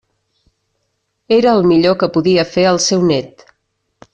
Era el millor que podia fer el seu nét.